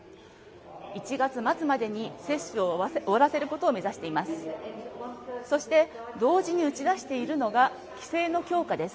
１月末までに接種を終わらせることを目指しています。